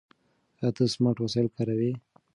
ایا ته سمارټ وسایل کاروې؟